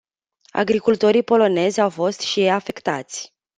Agricultorii polonezi au fost și ei afectați.